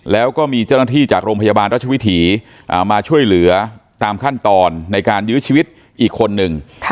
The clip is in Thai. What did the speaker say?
แล้วก็มีเจ้าหน้าที่จากโรงพยาบาลรัชวิถีมาช่วยเหลือตามขั้นตอนในการยื้อชีวิตอีกคนนึง